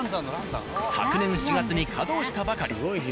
昨年４月に稼働したばかり。